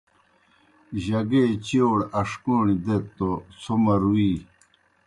جگے چِیؤڑ اݜکَوݨیْ دیت تو څھو مرُویی۔